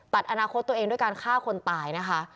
อนาคตตัวเองด้วยการฆ่าคนตายนะคะ